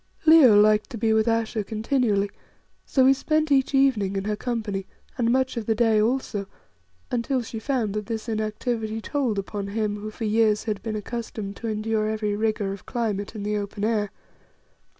Leo liked to be with Ayesha continually, so we spent each evening in her company, and much of the day also, until she found that this inactivity told upon him who for years had been accustomed to endure every rigour of climate in the open air.